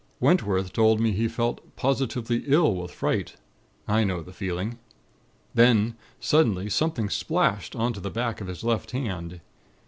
Wentworth told me he felt positively ill with fright. I know the feeling. Then, suddenly, something splashed on to the back of his left hand.